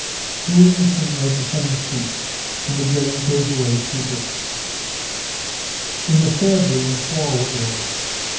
The Englishman made the same speech and again gave away two books. In the third room four were ill.